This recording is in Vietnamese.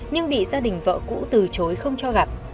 nhưng bị gia đình vợ cũ từ chối không cho gặp